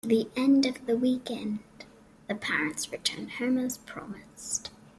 At the end of the weekend, the parents return home as promised.